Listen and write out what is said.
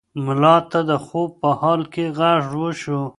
ملا ته د خوب په حال کې غږ وشو.